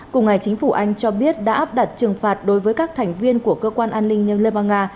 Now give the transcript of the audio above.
cùng ngày chính phủ anh cho biết đã áp đặt trừng phạt đối với các thành viên của cơ quan an ninh bang nga